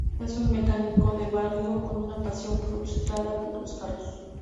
Él es un mecánico de barrio con una pasión frustrada por los carros.